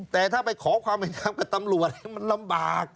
แต่ถ้าไปขอความเป็นธรรมกับตำรวจมันลำบาก